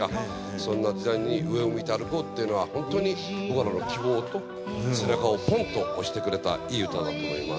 そんな時代に上を向いて歩こうってのはホントに僕らの希望と背中をポンと押してくれたいい歌だと思います。